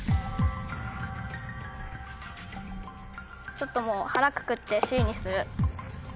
ちょっともう腹くくってＣにする。